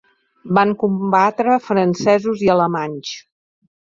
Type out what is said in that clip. Van combatre francesos i alemanys.